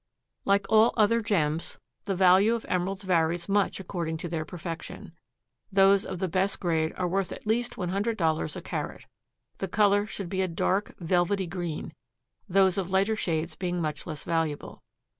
Like all other gems, the value of emeralds varies much according to their perfection. Those of the best grade are worth at least one hundred dollars a carat. The color should be a dark velvety green, those of lighter shades being much less valuable.